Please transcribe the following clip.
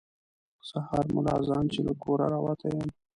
سهار ملا اذان چې له کوره راوتی یم.